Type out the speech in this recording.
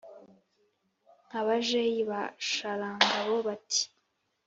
nka bajeyi ba sharangabo bati: